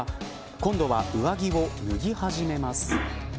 今度は上着を脱ぎ始めます。